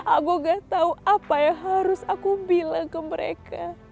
aku gak tau apa yang harus aku bilang ke mereka